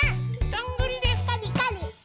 どんぐりです。